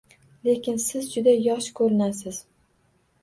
Lekin siz juda yosh ko`rinasiz